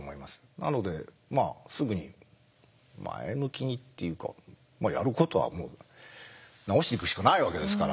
なのでまあすぐに前向きにっていうかやることは治していくしかないわけですから。